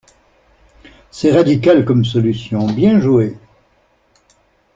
C'est radical comme solution, bien joué.